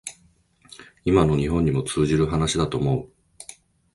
今の日本にも通じる話だと思う